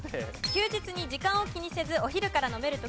休日に時間を気にせずお昼から飲める時が最高！